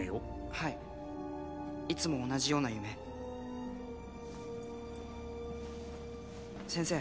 はいいつも同じような夢先生